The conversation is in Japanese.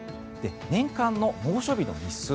年間の猛暑日の日数